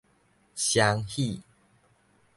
雙喜